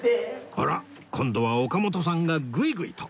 あら？今度は岡本さんがグイグイと